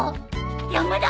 山田！